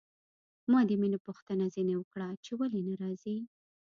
ما د مينې پوښتنه ځنې وکړه چې ولې نه راځي.